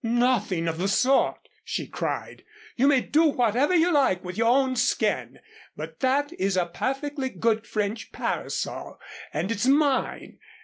"Nothing of the sort," she cried. "You may do whatever you like with your own skin, but that is a perfectly good French parasol, and it's mine."